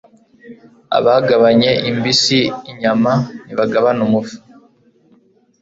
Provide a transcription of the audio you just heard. abagabanye imbisi (inyama) ntibagabana umufa